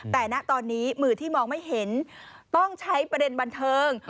แต่ณตอนนี้มือที่มองไม่เห็นต้องใช้ประเด็นบันเทิง